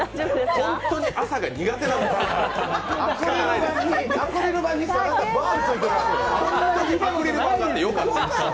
本当に朝が苦手なんです。